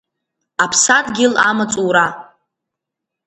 Аԥсадгьыл амаҵура.